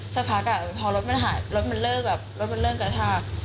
สักพักพอรถมันหายรถมันเลิกแบบรถมันเริ่มกระชาก